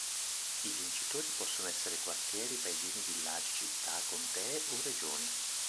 I vincitori possono essere quartieri, paesini, villaggi, città, contee o regioni.